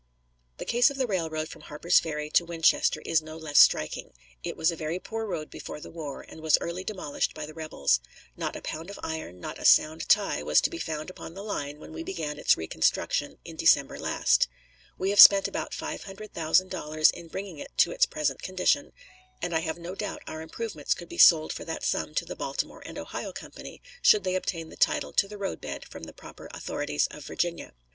The case of the railroad from Harper's Ferry to Winchester is no less striking. It was a very poor road before the war, and was early demolished by the rebels. Not a pound of iron, not a sound tie, was to be found upon the line when we began its reconstruction in December last. We have spent about five hundred thousand dollars in bringing it to its present condition, and I have no doubt our improvements could be sold for that sum to the Baltimore and Ohio Company should they obtain the title to the roadbed from the proper authorities of Virginia.